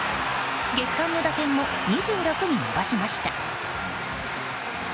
月間の打点も２６に伸ばしました。